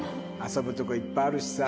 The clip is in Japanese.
遊ぶ所いっぱいあるしさ。